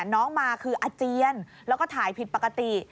น้องมาคืออาเจียนแล้วก็ถ่ายผิดปกติ